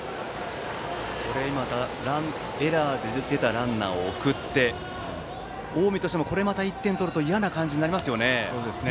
エラーで出たランナーを送って近江としてもここでまた１点取られると嫌な感じになりますね。